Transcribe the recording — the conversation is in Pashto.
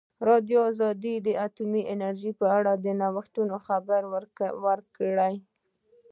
ازادي راډیو د اټومي انرژي په اړه د نوښتونو خبر ورکړی.